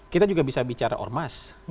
kita juga bisa bicara ormas